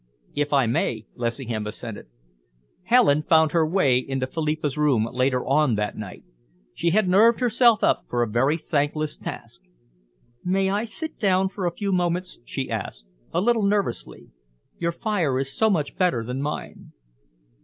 "If I may," Lessingham assented. Helen found her way into Philippa's room, later on that night. She had nerved herself for a very thankless task. "May I sit down for a few moments?" she asked, a little nervously. "Your fire is so much better than mine."